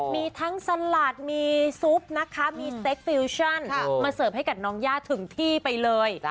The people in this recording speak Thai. มีทั้งสลัดมีซุปนะคะมีเซ็กฟิวชั่นมาเสิร์ฟให้กับน้องย่าถึงที่ไปเลย